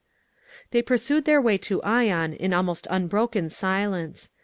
They pursued their way to Ion in almost unbroken silence.